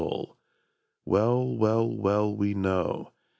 Well, well, well, we know!